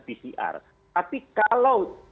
pcr tapi kalau